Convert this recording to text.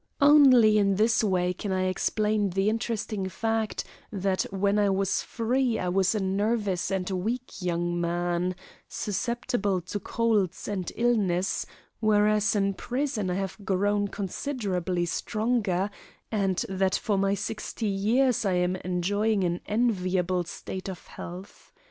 Only in this way can I explain the interesting fact that when I was free I was a nervous and weak young man, susceptible to colds and illness, whereas in prison I have grown considerably stronger and that for my sixty years I am enjoying an enviable state of health.